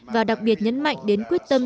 và đặc biệt nhấn mạnh đến quyết tâm